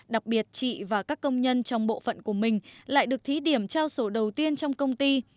đặc biệt chị và các công nhân trong bộ phận của mình lại được thí điểm trao sổ đầu tiên trong công ty